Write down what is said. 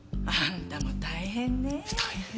あんたも大変ねえ。